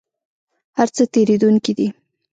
هر څه تیریدونکي دي